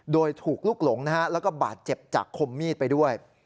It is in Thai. โดยถูกลุกหลงนะฮะแล้วก็บาดเจ็บจากคมมีดไปด้วย